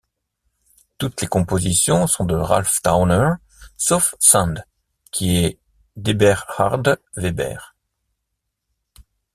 Toutes les compositions sont de Ralph Towner, sauf Sand, qui est d'Eberhard Weber.